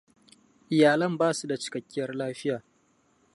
Iyalan ba su da cikakkiyar lafiya.